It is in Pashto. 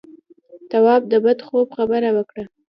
تواب د بد خوب خبره وکړه.